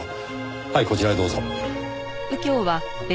はいこちらへどうぞ。